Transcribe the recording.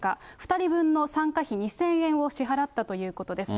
２人分の参加費２０００円を支払ったということです。